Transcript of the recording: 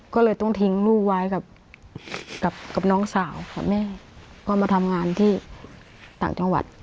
ก็เลยต้องทิ้งลูกไว้กับน้องสาวค่ะแม่ก็มาทำงานที่ต่างจังหวัด